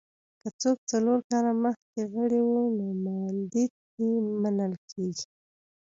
که څوک څلور کاله مخکې غړي وو نوماندي یې منل کېږي